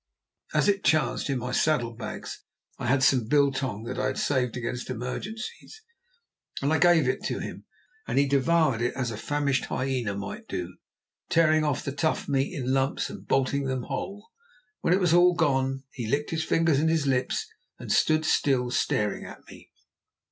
As it chanced, in my saddle bags I had some biltong that I had saved against emergencies. I gave it to him, and he devoured it as a famished hyena might do, tearing off the tough meat in lumps and bolting them whole. When it was all gone he licked his fingers and his lips and stood still staring at me.